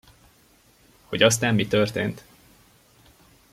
Hogy aztán mi történt?